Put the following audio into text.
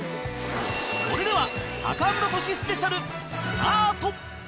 それではタカアンドトシスペシャルスタート！